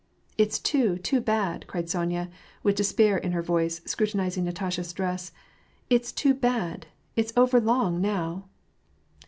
" It's too, too bad !" cried Sonya, with despair in her voice, . scrutinizing Natasha's dress. " It's too bad ! it*s over long now